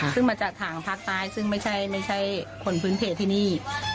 ซึ่งมาจากทางภาคใต้ซึ่งไม่ใช่คนพื้นเพจที่นี่